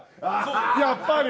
やっぱり。